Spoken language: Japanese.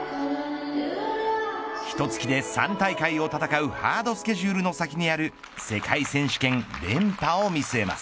ひと月で３大会を戦うハードスケジュールの先にある世界選手権連覇を見据えます。